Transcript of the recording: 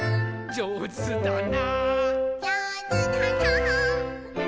「じょうずだな」